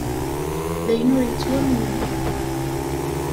D ayen ur yettwamnen!